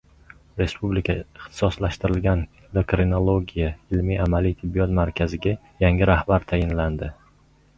Respublika ixtisoslashtirilgan endokrinologiya ilmiy-amaliy tibbiyot markaziga yangi rahbar tayinlandi